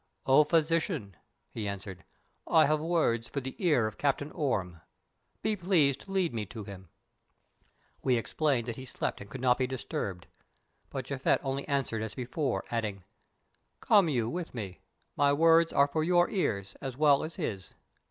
"O Physician," he answered, "I have words for the ear of the Captain Orme. Be pleased to lead me to him." We explained that he slept and could not be disturbed, but Japhet only answered as before, adding: "Come you with me, my words are for your ears as well as his."